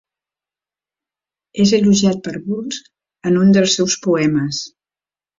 És elogiat per Burns en un dels seus poemes.